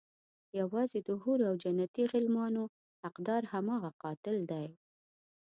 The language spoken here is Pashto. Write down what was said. يوازې د حورو او جنتي غلمانو حقدار هماغه قاتل دی.